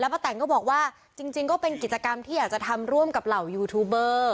ป้าแต่งก็บอกว่าจริงก็เป็นกิจกรรมที่อยากจะทำร่วมกับเหล่ายูทูบเบอร์